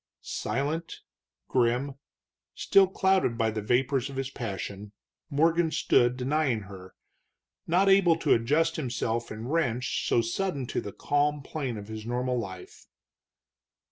Silent, grim, still clouded by the vapors of his passion, Morgan stood denying her, not able to adjust himself in wrench so sudden to the calm plane of his normal life.